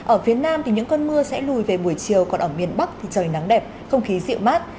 ở phía nam thì những cơn mưa sẽ lùi về buổi chiều còn ở miền bắc thì trời nắng đẹp không khí dịu mát